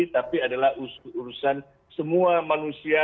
tapi adalah urusan semua manusia